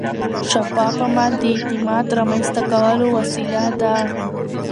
شفاف عمل د اعتماد رامنځته کولو وسیله ده.